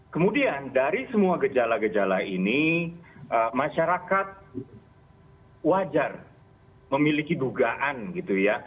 kemudian dari semua gejala gejala ini masyarakat wajar memiliki dugaan gitu ya